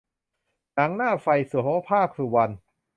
หนังหน้าไฟ- โสภาค สุวรรณ